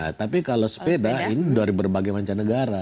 nah tapi kalau sepeda ini dari berbagai mancanegara